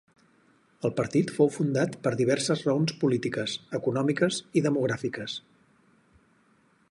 El partit fou fundat per diverses raons polítiques, econòmiques i demogràfiques.